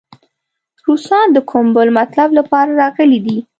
روسان د کوم بل مطلب لپاره راغلي دي.